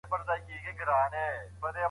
مشران د ځوانانو لپاره لارښووني کوي.